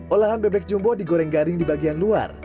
olahan bebek jumbo digoreng garing di bagian luar